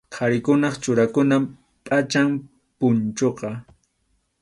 Qharikunap churakunan pʼacham punchuqa.